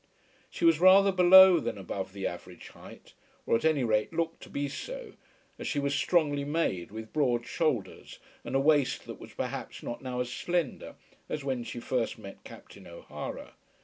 She was rather below than above the average height, or at any rate looked to be so, as she was strongly made, with broad shoulders, and a waist that was perhaps not now as slender as when she first met Captain O'Hara.